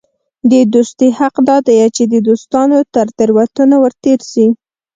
د دوستي حق دا دئ، چي د دوستانو تر تېروتنو ور تېر سې.